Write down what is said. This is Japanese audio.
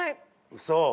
ウソ？